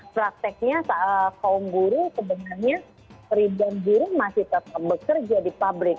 prakteknya kaum buruh sebenarnya ribuan guru masih tetap bekerja di pabrik